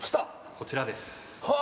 こちらですはあ！